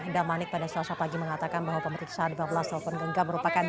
damanik pada selasa pagi mengatakan bahwa pemeriksaan lima belas telepon genggam merupakan